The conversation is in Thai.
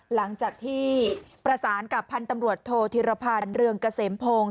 หลังจากที่ประสานกับพันธุ์ตำรวจโทษธิรพันธ์เรืองเกษมพงศ์